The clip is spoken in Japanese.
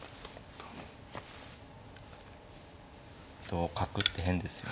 同角って変ですよね。